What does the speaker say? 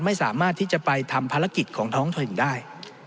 ไม่สามารถที่จะไปทำภารกิจของท้องถิ่นได้